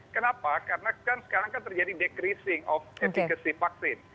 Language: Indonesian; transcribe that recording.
kenapa karena sekarang kan terjadi decreasing of efficacy vaksin